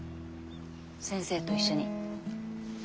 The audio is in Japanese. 先生と一緒に。